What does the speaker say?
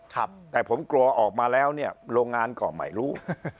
แต่ผมกลัวออกมาแล้วเนี่ยโรงงานก็ไม่รู้